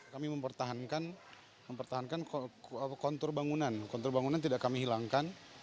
kami mempertahankan kontur bangunan kontur bangunan tidak kami hilangkan